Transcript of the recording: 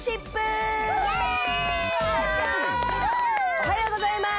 おはようございます。